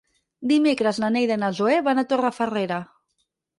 Dimecres na Neida i na Zoè van a Torrefarrera.